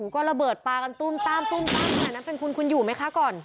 ก็ระเบิดปากันตุ้มตามนั่นเป็นคุณคุณอยู่ไหมคะก่อน